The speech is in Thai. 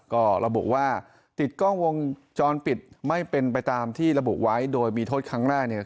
ก็ระบุว่าติดกล้องวงจรปิดไม่เป็นไปตามที่ระบุไว้โดยมีโทษครั้งแรกเนี่ย